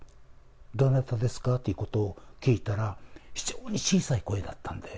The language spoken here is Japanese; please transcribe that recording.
どなたですか？っていうことを聞いたら、非常に小さい声だったんで。